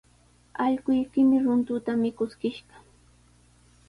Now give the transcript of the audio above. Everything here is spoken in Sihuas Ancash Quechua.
Allquykimi runtuta mikuskishqa.